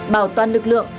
bảo toàn lực lượng